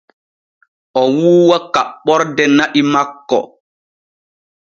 O wuuwa kaɓɓorde na'i maɓɓe.